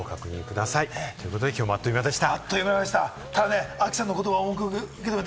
きょうもあっという間でした。